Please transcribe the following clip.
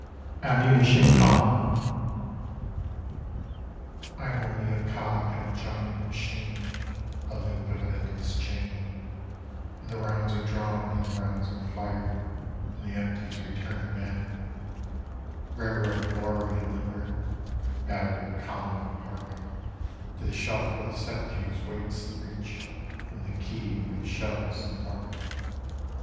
AMMUNITION COLUMN _I am only a cog in a giant machine, a link of an endless chain: _ And the rounds are drawn, and the rounds are fired, and the empties return again; 'Railroad, lorry, and limber; battery, column, and park; 'To the shelf where the set fuse waits the breech, from _the quay where the shells embark.